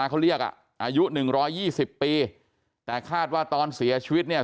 เขาเรียกอ่ะอายุหนึ่งร้อยยี่สิบปีแต่คาดว่าตอนเสียชีวิตเนี่ย